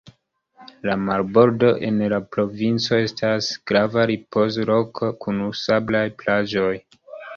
La marbordo en la provinco estas grava ripozloko kun sablaj plaĝoj.